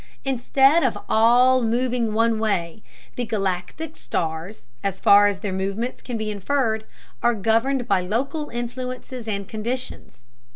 Instead of all moving one way, the galactic stars, as far as their movements can be inferred, are governed by local influences and conditions.